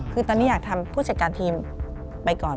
คือตอนนี้อยากทำผู้จัดการทีมไปก่อน